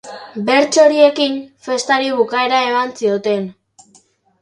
Bertso horiekin festari bukaera eman zioten.